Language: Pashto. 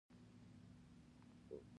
ماته له کوره زنګ راغی.